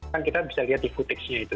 kan kita bisa lihat di kuteksnya itu